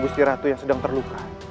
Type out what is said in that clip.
gusti ratu yang sedang terluka